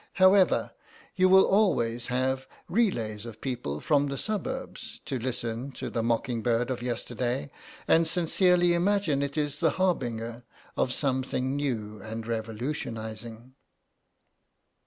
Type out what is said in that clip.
However, you will always have relays of people from the suburbs to listen to the Mocking Bird of yesterday, and sincerely imagine it is the harbinger of something new and revolutionising."